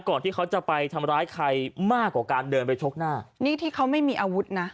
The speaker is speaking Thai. ที่เขาจะไปทำร้ายใครมากกว่าการเดินไปชกหน้านี่ที่เขาไม่มีอาวุธนะ